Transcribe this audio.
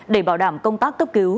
để bảo đảm công tác cấp cứu